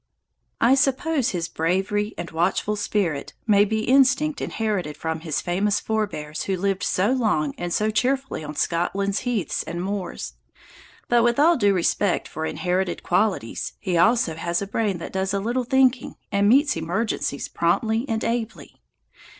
I suppose his bravery and watchful spirit may be instinct inherited from his famous forbears who lived so long and so cheerfully on Scotland's heaths and moors. But, with all due respect for inherited qualities, he also has a brain that does a little thinking and meets emergencies promptly and ably.